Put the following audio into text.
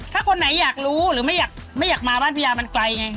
ถ้าคนไหนอยากรู้หรือไม่อยากมาบ้านพี่ยามันไกลไง